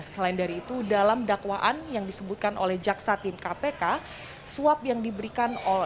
selain dari itu dalam dakwaan yang disebutkan oleh jaksa tim kpk